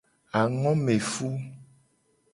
Angomefu.